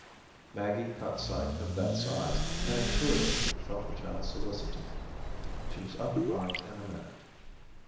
Maggie caught sight of Beth's eyes, and intuitively felt the child's solicitude. She was up in arms in a minute.